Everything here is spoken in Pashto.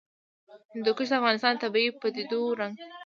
هندوکش د افغانستان د طبیعي پدیدو یو رنګ دی.